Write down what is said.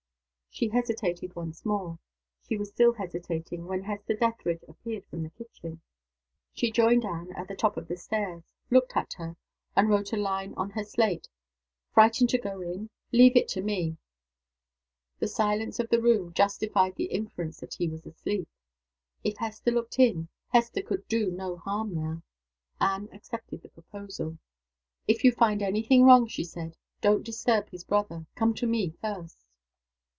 She hesitated once more she was still hesitating, when Hester Dethridge appeared from the kitchen. She joined Anne at the top of the stairs looked at her and wrote a line on her slate: "Frightened to go in? Leave it to Me." The silence in the room justified the inference that he was asleep. If Hester looked in, Hester could do no harm now. Anne accepted the proposal. "If you find any thing wrong," she said, "don't disturb his brother. Come to me first."